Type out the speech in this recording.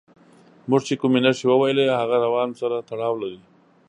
موږ چې کومې نښې وویلې هغه روان سره تړاو لري.